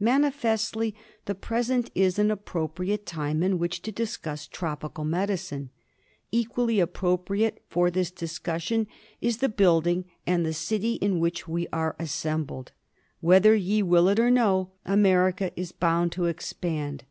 Manifestly the present is an appropriate time in which to discuss tropical medicine. Equally appropriate for this discussion is the building and the city in which we are assembled. Whether ye will it or no, America is bound to expand.